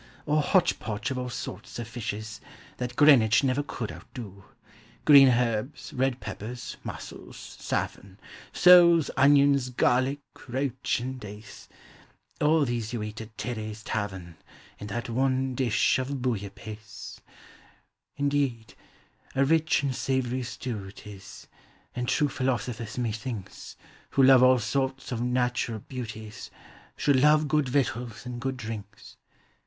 Or hotchpotch of all sorts of fishes. That Greenwich never could outdo; Green herbs, red pepfiers, mussels, safi'ern. Soles, onions, garlic, roach, and dace; 394 POEMti OF FR1EXDSHIP. All these you eat at Terre's tavern, In that one dish of Bouillabaisse. i Indeed, a rich and savory stew Jt is; And true philosophers, methinks, Who love all sorts of natural beauties, Should love good victuals and good drinks.